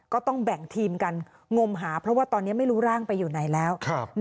ก็ต้องแบ่งทีมกันงมหาเพราะว่าตอนนี้ไม่รู้ร่างไปอยู่ไหนแล้ว